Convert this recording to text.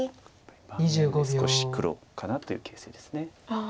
盤面で少し黒かなという形勢です。